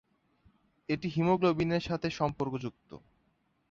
এটি হিমোগ্লোবিন এর সাথে সম্পর্কযুক্ত।